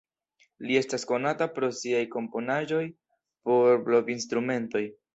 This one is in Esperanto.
Li estas konata pro siaj komponaĵoj por blovinstrumentoj.